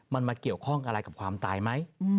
มันมาเกี่ยวข้องอะไรกับความตายไหม